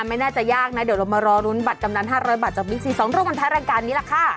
ไม่น่าจะยากนะเดี๋ยวเรามารอรุ้นบัตรกำนัน๕๐๐บาทจากบิ๊กซี๒รูปกันท้ายรายการนี้ล่ะค่ะ